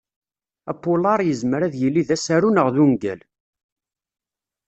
Apulaṛ yezmer ad yili d asaru neɣ d ungal.